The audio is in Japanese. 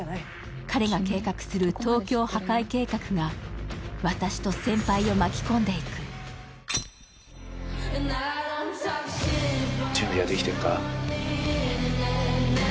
彼が計画する「東京破壊計画」が私と先輩を巻き込んでいく準備はできてるか？